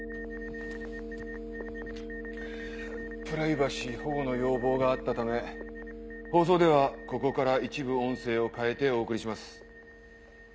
プライバシー保護の要望があったため放送ではここから一部音声を変えてお送りします。